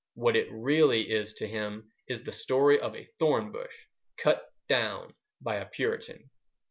What it really is to him is the story of a thorn bush cut down by a Puritan.